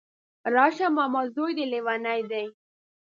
راشه ماما ځوی دی ليونی دی